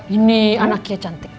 ini anaknya cantik